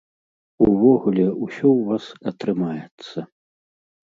Увогуле, усё ў вас атрымаецца.